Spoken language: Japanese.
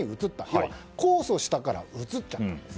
要は、控訴したから移っちゃったんです。